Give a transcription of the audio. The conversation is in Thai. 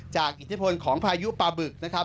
อิทธิพลของพายุปลาบึกนะครับ